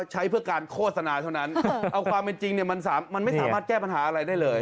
ใช้เพื่อการโฆษณาเท่านั้นเอาความเป็นจริงมันไม่สามารถแก้ปัญหาอะไรได้เลย